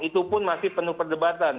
itu pun masih penuh perdebatan